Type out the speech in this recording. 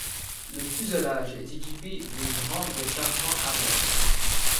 Le fuselage est équipé d'une rampe de chargement arrière.